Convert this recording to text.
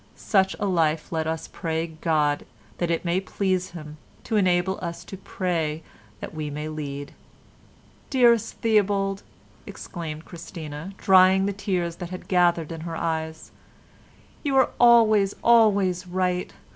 Such a life let us pray God that it may please Him to enable us to pray that we may lead." "Dearest Theobald," exclaimed Christina, drying the tears that had gathered in her eyes, "you are always, always right.